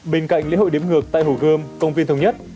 bên cạnh lễ hội đếm ngược tại hồ gơm công viên thống nhất